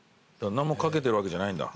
何も掛けてるわけじゃないんだ。